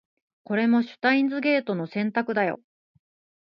これもシュタインズゲートの選択だよ